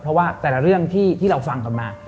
เพราะว่าแต่ละเรื่องที่เราฟังกันมา